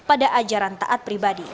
ada ajaran taat pribadi